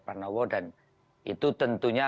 pernowo dan itu tentunya